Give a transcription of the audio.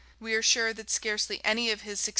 We are sure that scarcely any of his successors did.